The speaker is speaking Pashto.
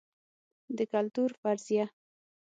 د کلتور فرضیه